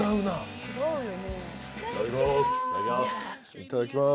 いただきます。